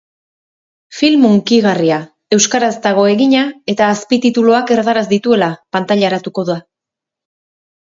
Film hunkigarria, euskaraz dago egina eta azpitituluak erdaraz dituela pantailaratuko da.